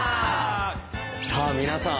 さあ皆さん